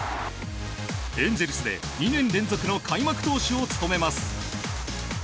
エンゼルスで２年連続の開幕投手を務めます。